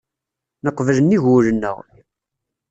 Neqbel nnig wul-nneɣ.